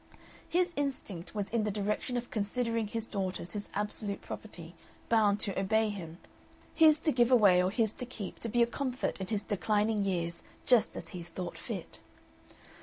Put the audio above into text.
His instinct was in the direction of considering his daughters his absolute property, bound to obey him, his to give away or his to keep to be a comfort in his declining years just as he thought fit.